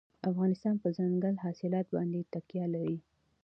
افغانستان په دځنګل حاصلات باندې تکیه لري.